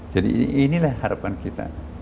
jadi inilah harapan kita